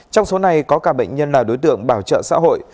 trong số này có cả bệnh nhân là đối tượng bảo trợ xã hội